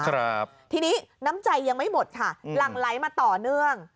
ครับทีนี้น้ำใจยังไม่หมดค่ะหลั่งไหลมาต่อเนื่อง